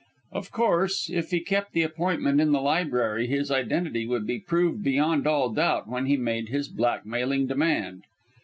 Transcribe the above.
Of course, if he kept the appointment in the library his identity would be proved beyond all doubt when he made his blackmailing demand.